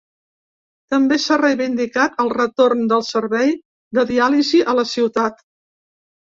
També s’ha reivindicat el retorn del servei de diàlisi a la ciutat.